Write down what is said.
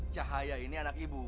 cahaya ini anak ibu